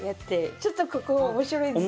ちょっとここ面白いですよ。